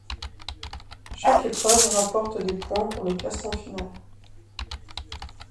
Chaque épreuve rapporte des points pour le classement final.